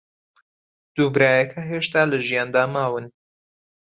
دوو برایەکە هێشتا لە ژیاندا ماون.